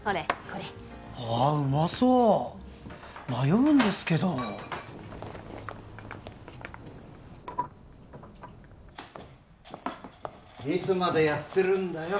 これああうまそう迷うんですけどいつまでやってるんだよ